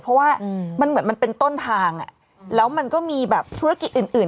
เพราะว่ามันเหมือนมันเป็นต้นทางแล้วมันก็มีแบบธุรกิจอื่น